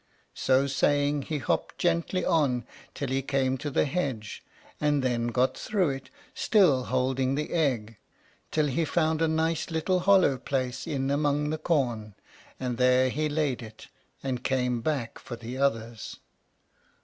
So saying, he hopped gently on till he came to the hedge, and then got through it, still holding the egg, till he found a nice little hollow place in among the corn, and there he laid it and came back for the others.